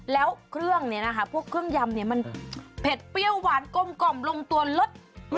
แล้วเครื่องเนี่ยนะคะพวกเครื่องยำเนี่ยมันเผ็ดเปรี้ยวหวานกลมกล่อมลงตัวรส